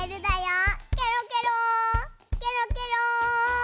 ケロケロー！